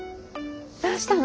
どうしたの？